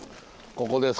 ここです